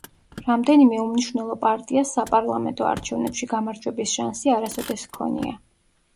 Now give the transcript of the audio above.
რამდენიმე უმნიშვნელო პარტიას საპარლამენტო არჩევნებში გამარჯვების შანსი არასოდეს ჰქონია.